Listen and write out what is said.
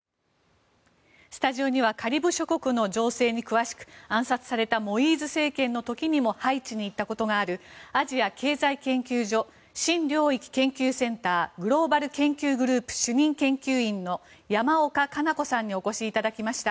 スタジオにはカリブ諸国の情勢に詳しく暗殺されたモイーズ政権の時にもハイチに行ったことがあるアジア経済研究所新領域研究センター・グローバル研究グループ主任研究員の山岡加奈子さんにお越しいただきました。